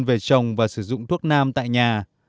về chồng và sử dụng thuốc nam tại nhà